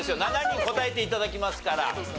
７人答えて頂きますから。